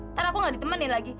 ntar aku gak ditemenin lagi